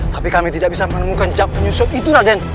tapi kami tidak bisa menemukan jawab penyusup itu raden